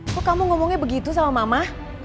kok kamu ngomongnya begitu sama mama